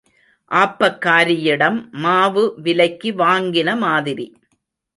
ஆப்பக்காரியிடம் மாவு விலைக்கு வாங்கின மாதிரி.